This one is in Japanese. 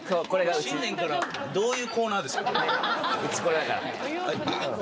新年からどういうコーナーです？